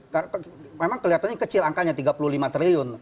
karena memang kelihatannya kecil angkanya tiga puluh lima triliun